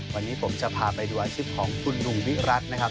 วันนี้ผมจะพาไปดูอาชีพของคุณหนุ่มวิรัตินะครับ